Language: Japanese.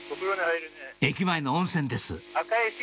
駅前の温泉です